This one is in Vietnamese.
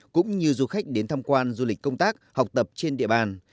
cũng như du khách đến tham quan du lịch công tác học tập trên địa bàn